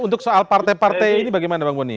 untuk soal partai partai ini bagaimana bang boni